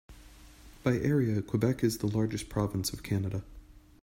By area, Quebec is the largest province of Canada.